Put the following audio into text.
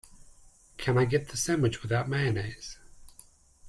Can I get the sandwich without mayonnaise?